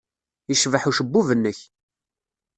Yecbeḥ ucebbub-nnek.